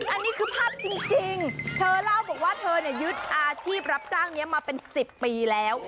อันนี้คือภาพจริงเธอเล่าบอกว่าเธอเนี่ยยึดอาชีพรับจ้างนี้มาเป็น๑๐ปีแล้ว